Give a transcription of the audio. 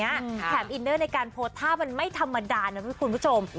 แถมอินเนอร์ในการโพสต์ท่ามันไม่ธรรมดานะพี่คุณผู้ชม